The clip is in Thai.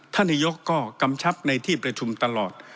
นายกก็กำชับในที่ประชุมตลอด